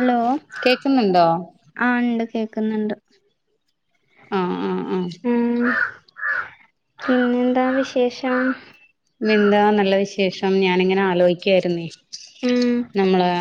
Hello കേക്കുന്ന്ണ്ടോ ആ ഇണ്ട് കേക്ക്ന്ന്ണ്ട് ആ ആ അ ഉം പിന്നെന്താ എന്താ വിശേഷം പിന്നെന്താ നല്ല വിശേഷം ഞാനിങ്ങനെ ആലോയിക്കായ്ന്നേ ഉം നമ്മളെ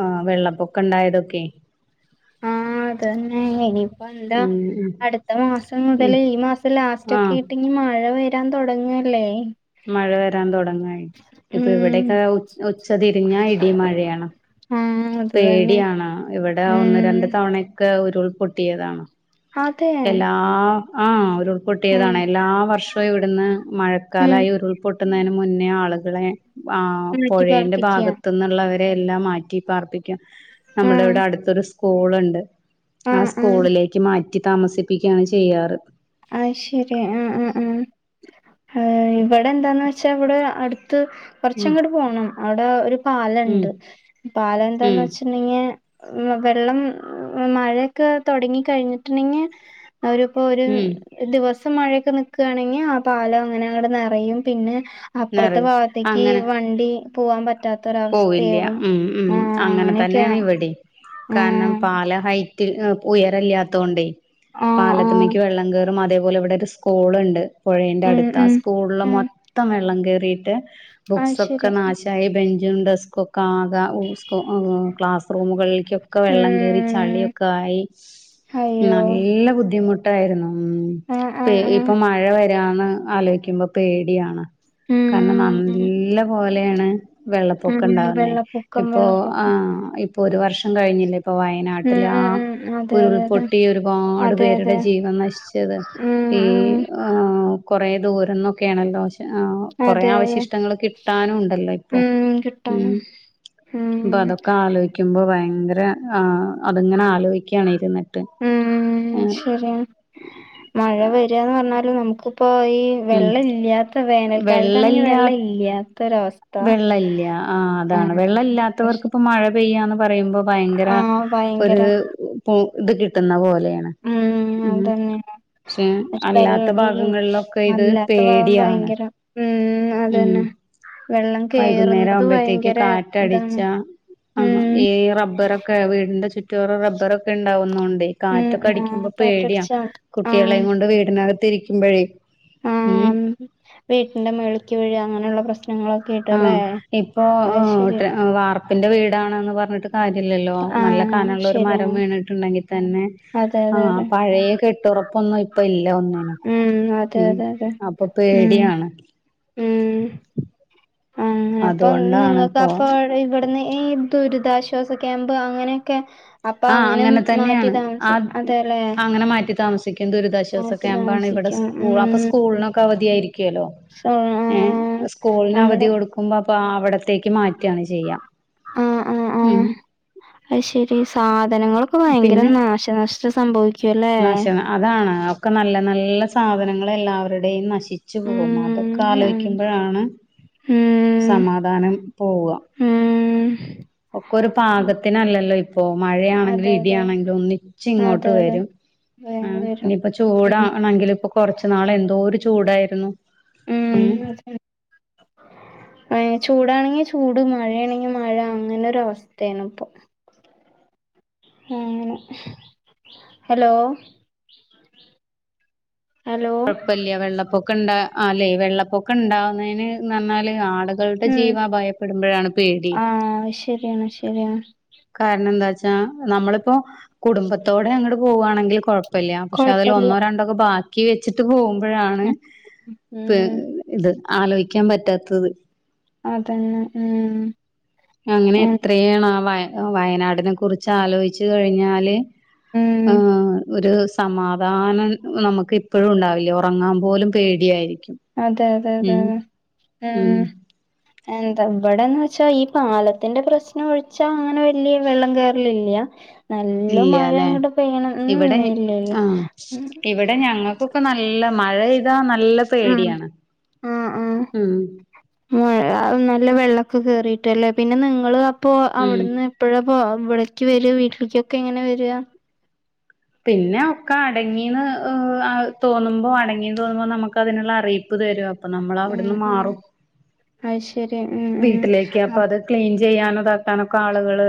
ആ വെള്ളപ്പൊക്ക ഇണ്ടായതൊക്കെ ആ അതാന്നെ ഇനി അ എന്താ ഉം ഉം അട്ത്ത മാസം ഇ മുതൽ ഈ മാസം ലാസ്റ്റ് ആഹ് ഒക്കയിട്ട്നി മഴ വ വരാൻ തുടങ്ങല്ലേ മഴ വരാൻ തുടങ്ങായി ഇപ്പൊ ഉം ഇവിടെയൊക്കെ ഉച്ചതിരിഞ്ഞാ ഇടി മഴയാണ് മ് പേടിയാണ് ഇവിടെ ഒന്ന് രണ്ട് തവണൊക്കെ ഉരുൾ പൊട്ടിയതാണ് അതെ എല്ലാ ആ ഉം ഉരുൾപൊട്ടിയതാണ് എല്ലാ വർഷ് പ്പ ഇവിടന്ന് ഉം മഴക്കാലായി ഉരുൾപൊട്ടുന്നതിന് മുന്നേ ആളുകളെ മാറ്റി ആപുഴേന്റെ പാർപ്പിക്ക ഭാഗത്തിന്നുള്ളവരെ എല്ലാം മാറ്റി പാർപ്പി ക്കും ആ നമ്മള് ഇവിടെ അടുത്തൊരു സ്കൂൾ ഇണ്ട് ആ സ്കൂളിലേക്ക് മാറ്റ് മാറ്റി താമസിപ്പിക്കാണ് ചെയ്യാറ് അഹ് ശരി ആ ആ അ ആ ഇവിടെ എന്താന്ന് വെച്ചാ ഇവിടെ അട്ത്ത് ഉം കൊർച്ച്ങ്ങട് പോണം അവിടെ ഒരു ഉം പാലണ്ട് പാല ഉം എന്താന്ന് വെച്ച പിന്നെ വെള്ളം മഴയൊക്കെ തൊടങ്ങി കഴിഞ്ഞിട്ടുണ്ടെങ്കി അവരിപ്പോര് ഉം ദിവസം മഴയൊക്കെ നിക്കാണെങ്കി ആ പാലം അങ്ങനെങ്ങട് നെറയും പിന്നെ അപ്പുറത്തെ നിറയും ഭാഗത്തേക്ക് അങ്ങനെ വണ്ടി പോവാൻ പറ്റ് പോവില്ല മ് മ് അങ്ങനെ അങ്ങനെയൊക്കെയാ തന്നെയാണ് ഇവിടി കാരണം ആഹ് പാലം ഹൈറ്റ് ഉയരല്ലാതോണ്ടേ ആഹ് ആഹ് പാലത്തമ്മക്ക് വെള്ളം കേറും അതേപോലെ വെടൊര് സ്കൂള്ണ്ട് പുഴേന്റെ ഉം അടുത്ത ആ ഉം സ്കൂള് ഉം മൊത്തം വെള്ളം കേറീട്ട് അത് ബുക്സ് ഒക്കെ ശരി നാശായി ബെഞ്ചും ഡസ്കൊക് ക്കാകെ ക്ളാസ് റൂമ്കൾക്യോക്കെ വെള്ളം കേറി ഉം ചളിയൊക്കായി അയ്യോ നല്ല ബുദ്ധിമുട്ട് - ട്ടായിരുന്നു ആഹ് മ് ആഹ് ആഹ് ഇപ്പൊ മഴ വരാന്ന് ആലോയ്ക്കുമ്പോ പേടിയാണ് കാരണം ഉം നല്ല പോലെണ് ഉം വെള്ളപ്പൊക്ക ണ്ടാവ്ന്നേ വെള്ളപ്പൊക്കം ഇപ്പൊ ആ് വെള്ളപ്പൊക്കം ഇപ്പൊ ഒരു വർഷം കഴിഞ്ഞില്ലേ ഇപ്പ വയ ഉം വയനാട്ടിലാ ഉം ഉം അതെ അതെ ഉരുൾപൊട്ടി ഒരുപാട് അതെ അതെ പേരുടെ അതെ ജീവൻ നശിച്ചത് ഉം ഈ ഉം ആഹ് കുറേ ദൂരന്നൊക്കെണല്ലോ കൊറേ അതെ അതെ അവശിഷ്ടങ്ങള് കിട്ടാനും ണ്ടല്ലോ ഇപ്പോ ഉം കിട്ടാന് മ്മ് ഉം പോ അതൊക്ക ആലോയ്ക്കുമ്പോ ഭയങ്കര അത്ങ്ങനെ ആലോയ്കാണ് ഇര്ന്ന് മ്മ് ശര്യാണ് മഴ വരാന്ന് പർഞ്ഞാല് നമുക്കിപ്പോ ഈ ഈ ഉം വെള്ളല്യാത്ത വേനൽക്കാലത്താണെങ്കി വെള്ള ല്യാത്തൊരവസ്ഥ വെള്ളല്ല്യ ആ അതാണ് വെള്ള ല്ലാത്തവർക്ക് പ്പമഴ പെയ്യാന്ന് പറയുമ്പോ ഭയങ്കര ആഹ് ഭയങ്കര ഒരു ഇത് കിട്ടുന്ന പോലെയാണ് മ്മ് ഉം അതന്നെ പക്ഷെ പഷെ അല്ലാത്ത [unintelligible] ഭാഗങ്ങളിലൊക്കെ ഇത് അല്ലാത്ത ഭാഗം പേടിയാണ് ഭയങ്കരം മ് അതന്നെ വെള്ളം വൈകുന്നേര കേറുന്നത് ആവുമ്പോഴത്തേക്ക് ഭയങ്കര കാറ്റടിച്ച ഇതാണ് ആഹ് ഉം ഈ റബ്ബർക്കെ ക്കെ വീടിന്റെ ചുറ്റുവറ റബ്ബറൊക്കെ ണ്ടാവുന്നോണ്ടെ ഉം കാറ്റൊക്കെ ആഹ് ടിക്കുമ്പോ പേട്യ കാറ്റടിച്ചാ ആഹ് കുട്ടികളേം കൊണ്ട് വീടിനകത്തി രിക്കുമ്പോഴേ ഉം ആഹ് വീട്ടിന്റെ മേളിക്ക് വീഴ അങ്ങനെള്ള പ്രശ്നങ്ങള് ആഹ് ഇപ്പോ എഹ് വാർപ്പിന്റെ വീടാണന്ന് പർഞ്ഞിട്ട് കാര്യല്ലല്ലോ നല്ല ആഹ് കനള്ള ഒരു മരം ശരിയാണ് വീണ്ട്ട്ണ്ടെങ്കി തന്നെ അതെ അതെ ആഹ് അതെ പഴയെ കെ തൊറപ്പൊന്നും ഇപ്പ ഇല്ല ഒന്ന ഉം അതെ അതെ അതെ ഉം പേടിയാണ് ഉം അങ്ങനെ പ്പൊ ന്ന് അതുകൊണ്ടാണ് ങ്ങക്ക് ഇപ്പോ അപ്പൊ വെ പ ഇവിടന്ന് ഈ ദുരിതാശ്വാസ ക്യാമ്പ് അങ്ങനെയൊക്കെ അപ്പൊ ആഹ് അങ്ങനെ മാറ്റി തന്നെയാണ് താമസി ആഹ് അതെല്ലേ അങ്ങനെ മാറ്റി താമസിക്കും ദുരിതാശ്വാസ മാറ്റി ക്യാമ്പാണ് ഇവിടെ താമസിക്കും സ്കൂ അപ്പൊ ഉം സ്കൂള്നൊക്കെ അവധിയായിരിക്കുല്ലോ സോ ഏഹ് ആഹ് സ്കൂൾന് അവധി നമ്മുടെ കൊടുക് കുമ്പോ അപ്പൊ അവിടത്തേക്ക് മാറ്റാണ് ചെയ്യ ഉം അഹ് ശെരി സാധനങ്ങളൊക്കെ ഭയങ്കര പിന്നെ നാശനഷ്ടം സംഭവിക് നശ അതാണ് ഒക്കെ നല്ല നല്ല സാധനങ്ങൾ എല്ലാവരുടെയും നശിച് ച്ചു പോഉം അതൊക്കെ ഉം ആലോയ്ക്കുമ്പഴാണ് ഉം സമാധാനം പോവ ഉം ഒക്കെ ഒരു പാകത്തിനല്ലല്ലോ ഇപ്പോ അതെ മഴയാണെങ്കിലും അതെ ഇടിയണെങ്കിലും ഒന്നിച്ച് അതെ ങ്ങോട്ട് അതെ വരും വേഗം ആഹ് വരും ഇനിപ്പ ഉം ചൂടാണെങ്കില് പ്പൊ കൊറച്ചു നാളെ ന്തോര് ചൂടായിരുന്നു ഉം ഉം പയ് ചൂടാണെങ്കി ചൂട് മഴയാണെങ്കി മഴ അങ്ങനൊര് അവസ്ഥേണ് പ്പൊ ങ്ങനെ ഹലോ ഹലോ കൊയപ്പല്ല്യ വെള്ളപ്പൊക്ക ണ്ട ല്ലെ വെള്ളപ്പൊക്ക ണ്ടാവുന്നതിന് ന്നർഞ്ഞാല് ആള് ക്കൾടെ ഉം ജീവ അഭായപ്പെടുമ്പഴാണ് പേടി ശര്യാണ് ശര്യാണ് കാര്ണ ന്താ ച്ചാ നമ്മളിപ്പോ കുടുംബത്തോടെ അങ്ങട്ട് പോവാണെങ്കി കൊയ പ്പല്ല്യ പഷെ അതിൽ കൊഴപ്പല്ല ഒന്നോ രണ്ടൊക്കെ ബാക്കി വെച്ചിട്ട് പോകുമ്പോഴാണ് പെ ഉം ഇത് ആലോയ്ക്കാൻ പറ്റാത്തത് അതെന്നെ ഉം അങ്ങനെ എത്രേണ് ആഹ് വ വയനാടിനെ കുർച്ച് ആലോയ്ച്ച് കഴിഞ്ഞാല് ഉം ആഹ് ഒര് സമാധാനം നമുക്ക് ഇപ്പഴും ഉണ്ടാവില്ല ഒറങ്ങാൻ പോലും പേടിയായിരിക്കും അതെ അതെ അതെ ഉം അതെ ഉം എന്താ ഇവടെന്ന് വെച്ചാ ഈ പാലത്തിന്റെ പ്രശ്നം ഒഴിച്ചാ അങ്ങനെ വല്യ വെള്ളം കേ ല്യാ നല്ല ഇല്ല്യാല്ലേ മഴങ്ങട് പെയ്യണം ഉം ഇവിടെ ഇല്യ ഇല്യ ആഹ് ഇവിടെ ഞങ്ങക്കൊക്കെ നല്ല മഴെയ്താ നല്ല ഉം പേടിയാണ് ആഹ് ആഹ് ഉം മഴ നല്ല വെള്ളൊക്കെ കേറീട്ടല്ലേ പിന്നെ നിങ്ങള് അപ്പോ ഉം അവ്ട്ന്ന് പ്പഴെപ്പോ ഇവിട്ക്ക് വെര വീട്ടിൽക്കൊക്കെ എങ്ങനെ വെരാ പിന്നെ ഒക്കെ അടങ്ങീണ് അഹ് തോന്നുമ്പോ അടങ്ങീന്ന് തോന്നുമ്പോ നമുക്കതിനുള്ള അറിയിപ്പ് തെരും അപ്പം നമ്മളവിട്ന്ന് മാറും അഹ് ശെരി ഉം ഉം വീട്ടിലേക്ക് അപ്പൊ അത് ക്ലീൻ ചെയ്യാനും താക്കാനൊക്കെ ആള്കള്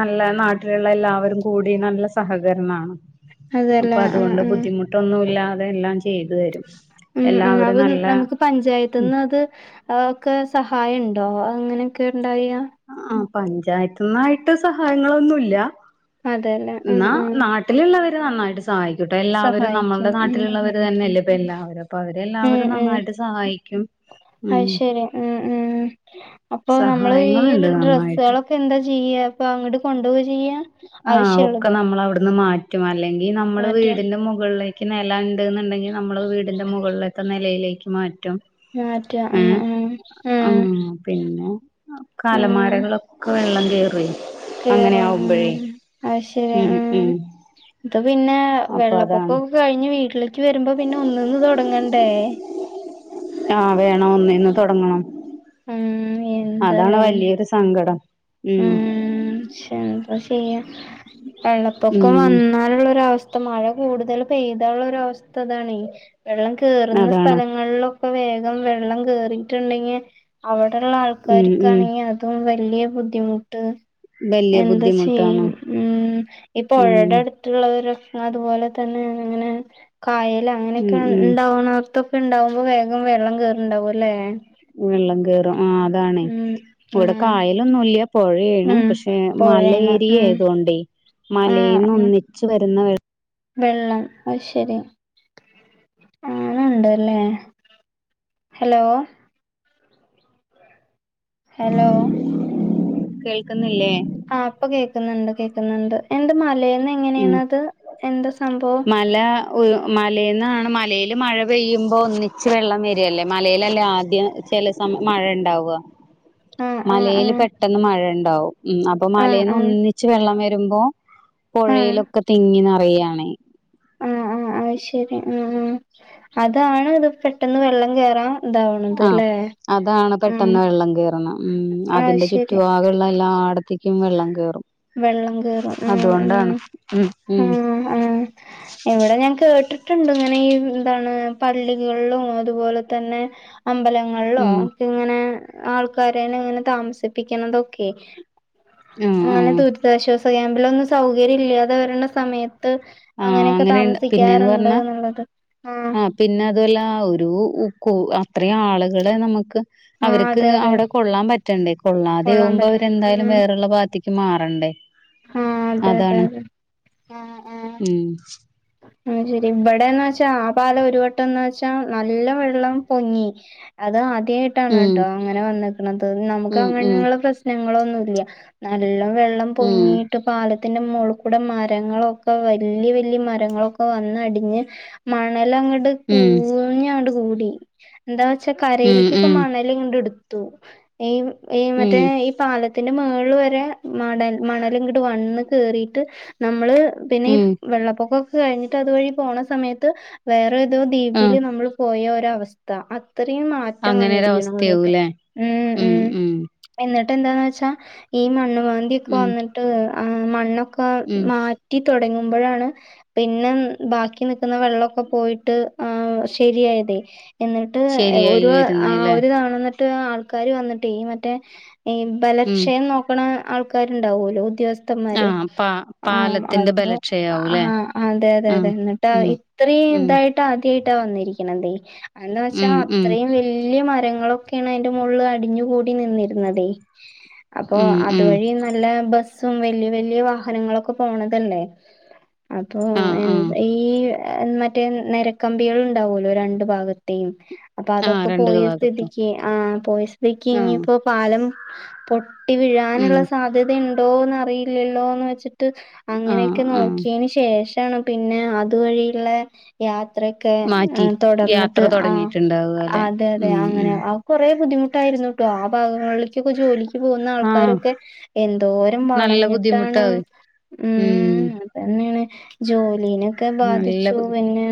നല്ല നാട്ടില്ള്ള എല്ലാവരും കൂടി നല്ല സഹകരണാണ് അപ്പൊ അതല്ലേ അത് ഉം കൊണ്ട് ഉം ബുദ്ധിമു ട്ടൊന്നൂല്ലാതെ എല്ലാം ചെയ്തു തരും. എല്ലാവരും നല്ല പഞ്ചായത്ത്ന്നത് ഒക്കെ സഹായണ്ടോ? അങ്ങനൊക്കെണ്ടായാ ആഹ് പഞ്ചായത്ത്ന്നായിട്ട് സഹായങ്ങളൊന്നുല്ല. അതെല്ലേ ഉം ഇന്നാ ഉം നാട്ട് ല്ള്ളവര് നന്നായിട്ട് സഹായിക്കൂട്ടൊ. എല്ലാവരും സഹായിക്കും നമ്മൾടെ ഉം നാട്ടില്ള്ളവര് തന്നെയന്നല്ലേ ഇപ്പൊ എല്ലാവരും. അപ്പം അവരെല്ലാവരും നന്നായിട്ട് സഹായിക്കും ഉം അയ്ശെരി ഉം ഉം. അപ്പൊ നമ്മള് ഈ സഹായങ്ങളുണ്ട് നന്നായിട്ട് ഡ്രെസ്സ്കളൊക്കെ എന്താ ചെയ്യ? അപ്പ അങ്ങട് കൊണ്ടോവാ ചെയ്യാ? ആഹ് ഒക്കെ ആവശ്യമുള്ളതോ നമ്മളവ്ട്ന്ന് മാറ്റും. അല്ലെങ്കി നമ്മള് മാറ്റാ വീടിന്റെ മുകളിലേ ക്ക് നെലണ്ട്ന്ന്ണ്ടെങ്കി നമ്മള് വീടിന്റെ മുകൾലെത്തെ നെലയിലേക്ക് മാറ്റും. മാറ്റും ആഹ് ഏഹ് ആഹ് ഉം ആഹ് പിന്നെ ക്കെ ഉം അലമാരികളക്കെ വെള്ളം കേറി. കേറും ഉം അയ്ശെരി ഉം ഇത് പിന്നെ അപ്പൊ അതാണ് വെള്ളപ്പൊക്കൊക്കെ കഴിഞ്ഞ് വീട്ടിലേക്ക് വെര്മ്പോ പിന്നെ ഒന്ന്ന്ന് തൊടങ്ങണ്ടേ. ആഹ് വേണം. ഒന്നീന്ന് തൊടങ്ങണം. ഉം അതാണ് എന്താല്ലേ വലിയൊരു സങ്കടം ഉം ശെ എന്താ ചെയ്യാ. വെള്ളപ്പൊക്കം ഉം വന്നാല്ള്ളൊരവ സ്ഥ മഴ കൂട്തല് പെയ്താള്ളൊരവസ്ഥ ഇതാണേ. വെള്ളം കേറ്ന്ന അതാണ് സ്ഥലങ്ങളിലും ഇപ്പ വേഗം വെള്ളം കേറിട്ട്ണ്ടെങ്കി അവ്ടെള്ള ഉം ഉം ആൾക്കാര്ക്കാണെങ്കി അ തും വല്യ ബുദ്ധിമുട്ട് വലിയ എന്ത ചെയ്യും? ബുദ്ധിമുട്ടാണ് ഉം ഈ ഉം പൊഴേടെ അട്ത്ത് ള്ളവരും അതുപോലെ തന്നെ അങ്ങനെ കായല് ഉം അങ്ങനൊക്കെ ഉം ഉണ്ടാവ്ണോർത്തൊ ണ്ടാവുമ്പോ വേഗം വെള്ളം കേയറ്ണ്ടാവൂലെ? വെള്ളം കേറും. ആഹ് അതാണ്. ഇവിടെ ഉം കായലൊന്നൂല്ല പൊഴേണ് ഉം പക്ഷേ മല പൊഴേണ് ഏരിയ ഉം ആയതോണ്ടേ ആഹ് മലേന്ന് ആഹ് ഒന്നിച്ച് വരുന്ന വെള്ളം വെള്ളം അയ്ശെരി. അങ്ങന്ണ്ടല്ലേ ഹലോ ഹലോ കേൾക്ക്ന്നില്ലേ? ആഹ് ഇപ്പ കേക്ക്ന്ന്ണ്ട് കേക്ക്ന്ന്ണ്ട്. എന്ത് മലേന്നേ ഉം മലാ മലേന്നാണ് മലേല് മഴ പെയ്യുമ്പോ ഒന്നിച്ച് വെള്ളം വരേല്ലേ മലേലല്ലേ ആദ്യം ചെലേസമയം മഴണ്ടാവുവ. ആഹ് മലേല് ആഹ് പെട്ടെന്ന് മഴണ്ടാവും. അപ്പൊ ആഹ് മലേന്ന് ആഹ് ഒന്നിച്ച് വെള്ളം വര്മ്പോ ആഹ് ആഹ് പൊഴയിലൊക്കെ തിങ്ങി നറയാണേ ആഹ് ആഹ് അയ്ശരി ഉം ഉം അതാണ് ഇത് പെട്ടെന്ന് വെള്ളം കേറാ ആഹ് അതാണ് ആഹ് പെട്ടെന്ന് വെള്ളം കയറുന്നെ. ഉം അത് അതിന്റെ ശരി ചുറ്റുപാകൊള്ള എല്ലയിടത്തേ ക്കും വെള്ളം കേറും. വെള്ളം കേറും ഉം അത്കൊണ്ടാണ് ഉം ഉം ഉം ആഹ് ആഹ് ഇവിടെ ഞാൻ കേട്ടിട്ടുണ്ട് ഇങ്ങനെ ഈ എന്താണ് പള്ളികളിലും അത്പോലെ തന്നെ അമ്പലങ്ങളിലോ ഉം ഒക്കെ ഇങ്ങനെ ആൾക്കാരെനെ ഇങ്ങനെ താമസിപ്പിക്കുന്നതൊക്കെ. ആഹ് പിന്നെ ആഹ് ദുരിതാശ്വാസ ക്യാമ്പിലൊന്നും സൗകര്യം ഇല്ലാതെ വരണ സമയത്ത് ആഹ് അങ്ങനൊക്കെ അങ്ങനെയുണ്ട് പിന്നേന്ന് താമസിക്കാറുണ്ട് പറഞ്ഞാ എന്നുള്ളത്. ആഹ് പിന്നെ അതും അല്ല ഒരു ഉകു അത്രെ ആളുകളെ നമുക്ക് ആഹ് അവര്ക്ക് അതെ അതെ അവിടെ കൊള്ളാൻ പറ്റണ്ടേ കൊള്ളാതെ കൊള്ളാൻ ആവുമ്പോ പറ്റണം അവരെന്തായാലും ഉം വേറുള്ള ഭാഗത്തേക്ക് മാറണ്ടേ. ആഹ് അതെ അതെ അതാണ് അതെ ഉം ആ ശെരി ഇവിടെന്ന് വച്ചാ ആ പാലം ഒരു വട്ടം ന്നാ വെച്ചാ നല്ല വെള്ളം പൊങ്ങി അത് അത [unintelligible] ട്ട ഉം അങ്ങനട്ടോ അങ്ങന വന്നെക്ക്‌ണത് ഉം ഉം നമുക്കങ്ങനുള്ള പ്രശ്നങ്ങളൊന്നുല്ല്യ നല്ല വെള്ളം ഉം പൊങ്ങിട്ട് പാലത്തിന്റെ മോൾക്കൂടെ മരങ്ങള്ളൊക്കെ വല്യയ വല്യയ മര മരങ്ങള്ളൊക്കെ വന്ന് അടഞ് മണല് അങ്ങട്ട് ഉം കുഞ്ഞങ്ങട്ട് കൂടി എന്താ വച്ചാ കരെൽക്കെക്ക ഉം മണല് ഇങ്ങ്ട് എട്ത്തു ഈ ഉം മറ്റേ ഉം ഈ പാലത്തിന്റെ മെൾ വരെ മണൽ മണലും ഇങ്ങട്ട് വണ് കേറിയിട്ട് നമ്മള് പിന്നെ ഈ ഉം വെള്ളപ്പൊക്കൊക്കെ കഴിഞ്ഞിട്ട് അതുവഴി പോണ സമയത്ത് വേറെ ഏതോ ദ്വീപിൽ ആഹ് നമ്മൾ പോയോരെ അവസ്ഥ അത്രയും മാറ്റം വന്നിരിക്കണം അവിടൊക്കെ അങ്ങനൊരവസ്ഥയാവൂല്ലേ ഉ ഉ ഉം ഉം എന്നിട്ട് എന്താന്ന് വെച്ചാ ഈ മണ്ണ് മാന്തിയൊക്കെ ഉം വന്നിട്ട് ആ മണ്ണൊ ഒക്ക ഉം മാറ്റി തോടങ്ങുമ്പോഴാണ് പിന്നെ ബാക്കി നിക്കുന്ന വെള്ളക്കെ പോയിട്ട് ആ ശെരിയായത് എന്നിട്ട് ശരിയായി ഒരു ആ ഒ വരുന്നല്ലേ ഒരുതവണ എന്നിട്ട് ആൾക്കാര് വന്നിട്ട് ഈ മറ്റേ ഉം ബലക്ഷയം നോക്കണ ആൾക്കാരുണ്ടാവുമല്ലോ ഉദ്യോഗസ്ഥ അത്തമാര് ആഹ് പാ ആ പാലത്തിന്റെ ബലക്ഷയാവൂല്ലേ ആ അതെ അതെ അതെ ആഹ് എന്നിട്ട് ഉം ഇത്രയും ഉം ഇതായിട്ട് ആദ്യമായിട്ടാ വന്നിരിക്കണന്തേ എന്ന് വെച്ചാ ഉം ഉം അത്രയും വലിയ മരങ്ങളൊക്കെ ക്കെണ് അയ്ന്റെ മോളിൽ അടഞ്ഞു കൂടി നിന്നിരുന്നത് അപ്പോ ഉം അതു ഉം വഴി നല്ല ബസ്സും വലിയ വലിയ വാഹനങ്ങളൊക്കെ പോണതല്ലേ അപ്പോ ആഹ് ആഹ് എന്തെ ഈ മറ്റേ നരക്കമ്പികൾ ഉണ്ടാവല്ലോ രണ്ടു ഭാഗത്തെയും അപ്പൊ ആഹ് അതൊക്കെ രണ്ട് പോയ ഭാഗത്തും സ്ഥിതിക്ക് ആ പോയി സ്ഥിതിക്ക് ആഹ് ഇനിയിപ്പോ പാലം പൊ പൊട്ടി വീഴാനുള്ള ഉം സാധ്യത ഇണ്ടോന്ന് അറിയില്ലല്ലോന്ന് വെച്ചിട്ട് ആഹ് അങ്ങനെയൊക്കെ ആഹ് നോക്കിയന് ശെ ശേഷമാണ് പിന്നെ അതു വഴിയുള്ള യാത്രൊക്കെ മാറ്റി യാത്ര തുടർന്നിട്ട് ആ തുടങ്ങിയിട്ടുണ്ടാവും അല്ലെ അതെ അതെ ഉം അങ്ങനെ ഉം കുറെ ബുദ്ധിമുട്ടായിരുന്നുട്ടോ ആ ഭാഗങ്ങളിലേക്കൊക്കെ ജോലി ജോലിക് പോകുന്ന ആഹ് ആൾക്കാരൊക്കെ എന്തോരം നല്ല വളഞ്ഞിട്ടാണ് ബുദ്ധിമുട്ടാവും ഉം അതെന്നെണ് ജോലീനൊക്കെ നല്ല ബാധിച്ചു ബുദ്ധി പിന്നെ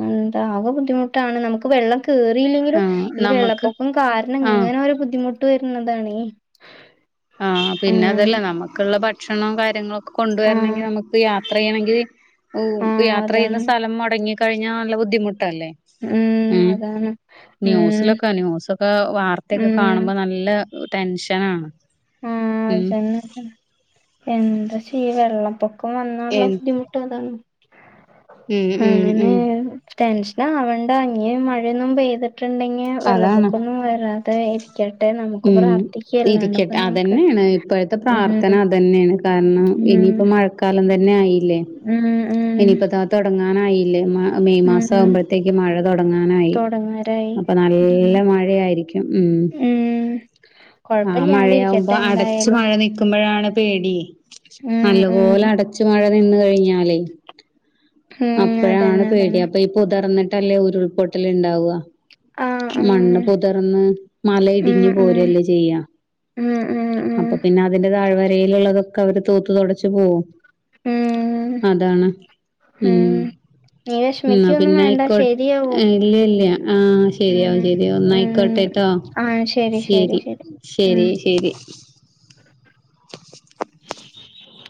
എന്താ ആ ബുദ്ധിമുട്ടാണ് നമുക്ക് വെള്ളം കേറിയില്ലെങ്കിലും ആഹ് ഈ നമുക്ക് വെള്ളപ്പൊക്കം കാരണം ആഹ് ഇങ്ങനെ ഒരു ബുദ്ധിമുട്ട് വരുന്നതാണെ ആഹ പിന്നെ അതല്ല നമുക്കുള്ള ഭക്ഷണം കാര്യങ്ങള്ളൊക്കെ ആഹ് കൊണ്ടുവരണങ്കിൽ നമുക്ക് യാ യാത്ര ചെയ്യണെങ്കിൽ ആഹ് യാത്ര ചെയ്യുന്ന അതാണ് സ്ഥലം മൊടങ്ങി കഴിഞ്ഞാൽ നല്ല ബുദ്ധിമുട്ടല്ലേ ഉം ഉം ന്യൂസിലൊക്കെ ന്യൂസ്‌ ഇപ്പൊ വാർത്തയൊക്കെ ഉം കാണുമ്പോ നല്ല ടെൻഷൻ ആണ് ആഹ അതന്നെ എന്താ ചെയ്യ വെള്ള പൊ ക്കം വന്നാലുള്ള എൻ ബുദ്ധിമുട്ട് അതാണ് ഉം ഉം ഉം ടെൻഷനാവണ്ട ഇനി മഴയൊന്നും പെയ്ത്ട്ടുണ്ടെങ്കി അതാണ് വെള്ളപ്പൊക്കമൊന്നും വരാതൊയിരി. ഉം ഇരിക്കട്ടെ നമുക്ക് അതന്നേണ് ഇപ്പഴത്തെ ഉം പ്രാർത്ഥന അതെന്നേണ്. കാര്ണം ഉം ഇനിയിപ്പ മഴക്കാലം തന്നെ ആയില്ലേ ഉം ഇനിയിപ്പ താ തുടങ്ങാനായില്ലേ മ മെയ് ഉം മാസം ഉം ആവുമ്പഴത്തേക്ക് മഴ തുടങ്ങാനായി. തൊടങ്ങാരായി അപ്പൊ ഉം നല്ല മഴയായിരിക്കും ഉം. [inaudible] ആഹ് മഴയാവുമ്പോ ഇരിക്കട്ടെ അടച്ച് എന്തായാലും മഴ നിക്കുമ്പോഴാണ് പേടി ഉം ഉം നല്ലപോലെ അട ച്ചു മഴ നിന്ന് കഴിഞ്ഞാലേയ് ഉം അപ്പഴാണ് അതന്നെ പേടി അതന്നെ അപ്പൊ ഈ പൊതിർന്നിട്ടല്ലേ ഉരുൾപൊട്ടല്ണ്ടാവാ ആഹ് മണ്ണ് ആഹ് പൊതിർന്ന് ഉം മലയിടിഞ്ഞ് ഉം പോരല്ലേ ചെയ്യാ. ഉം ഉം ഉം അപ്പൊ പിന്നെ അതിന്റെ താഴ് വരയില്ള്ളത് ക്കവത് തൂത്ത് തൊടച്ച് പോവും ഉം അതാണ് ഉം. നീ ന്നാ വിഷമിക്കൊന്നും പിന്നെ വേണ്ട ആയിക്കോ ശരിയാവും ഇല്ല്യല്ല ആഹ് ശെരിയാവും ഉം ശെരിയാവും ഉം ഇന്നായിക്കോട്ടെട്ടോ. ആഹ് ശെരി ശെരി ശെരി. ശെരി ശെരി. [inaudible]